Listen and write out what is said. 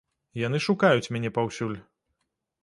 Яны шукаюць мяне паўсюль.